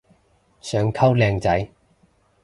想溝靚仔